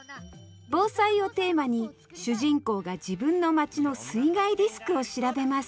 「防災」をテーマに主人公が自分の町の水害リスクを調べます。